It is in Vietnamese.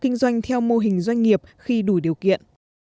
kinh doanh theo mô hình doanh nghiệp khi đủ điều kiện